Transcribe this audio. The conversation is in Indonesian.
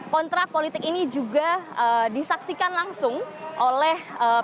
kontrak politik ini juga disaksikan langsung oleh pimpinan tni